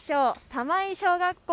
玉井小学校。